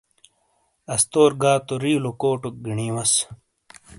استور گا تو رِیلو کوٹوک گینی وَس ۔